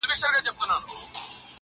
د جهاني غزل د شمعي په څېر ژبه لري.!